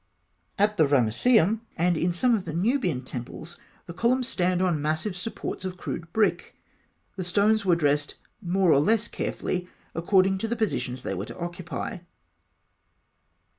At the Ramesseum, and in some of the Nubian temples, the columns stand on massive supports of crude brick. The stones were dressed more or less carefully, according to the positions they were to occupy.